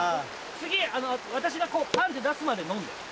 次私がパン！って出すまで飲んで。